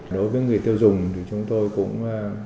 đối với người tiêu dùng thì chúng tôi cũng